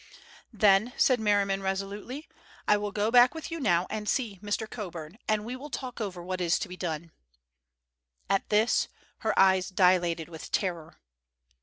"Then," said Merriman resolutely, "I will go back with you now and see Mr. Coburn, and we will talk over what is to be done." At this her eyes dilated with terror.